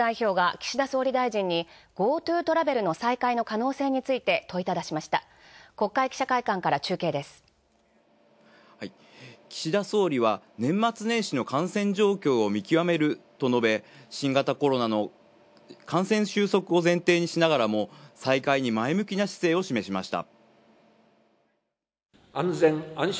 岸田総理大臣は年末年始の感染状況を見極めると述べ、新型コロナの感染収束を前提にしながらも再開に前向きな姿勢を示しました。